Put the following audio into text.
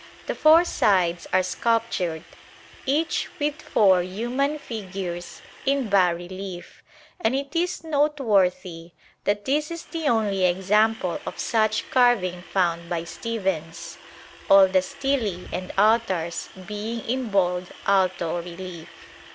The four sides are sculptured, each with four human figures in bas relief, and it is noteworthy that this is the only example of such carving found by Stephens; all the stelae and altars being in bold alto relief.